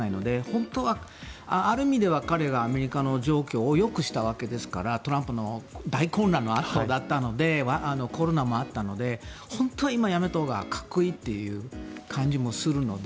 本当は、ある意味では彼がアメリカの状況をよくしたわけですからトランプの大混乱のあとだったのでコロナもあったので本当は今辞めたほうがかっこいいという感じもするので。